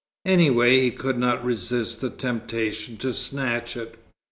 Anyway he could not resist the temptation to snatch it.